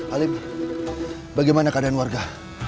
alip bagaimana keadaan warga